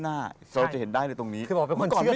แต่เขาตัดได้มั้ยอันนี้อย่างนี้